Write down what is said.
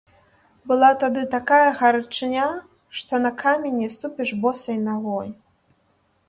Была тады такая гарачыня, што на камень не ступіш босай нагой.